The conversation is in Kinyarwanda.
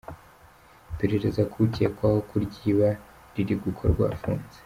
Iperereza ku ukekwaho kuryiba riri gukorwa afunze.